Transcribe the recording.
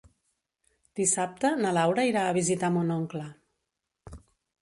Dissabte na Laura irà a visitar mon oncle.